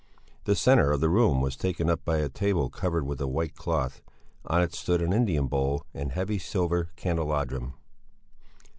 The centre of the room was taken up by a table covered with a white cloth; on it stood an Indian bowl and a heavy silver candelabrum.